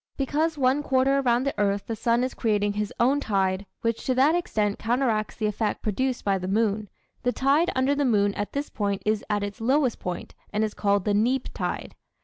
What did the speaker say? Because one quarter around the earth the sun is creating his own tide, which to that extent counteracts the effect produced by the moon, the tide under the moon at this point is at its lowest point and is called the "neap" tide.